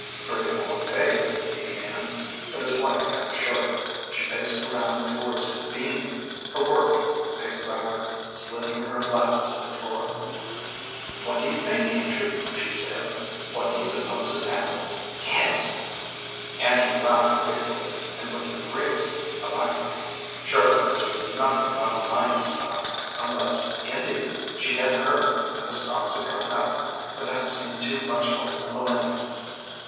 "Pretty warm day," he began, but his wife cut him short. She faced around towards him beaming, her work a pink wrapper slid from her lap to the floor. "What do you think, Andrew?" she said. "What do you s'pose has happened? Guess." Andrew laughed gratefully, and with the greatest alacrity. Surely this was nothing about mining stocks, unless, indeed, she had heard, and the stocks had gone up, but that seemed to much like the millennium.